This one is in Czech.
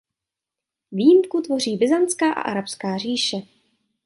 Výjimku tvoří Byzantská a arabská říše.